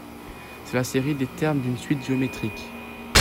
C'est la série des termes d'une suite géométrique.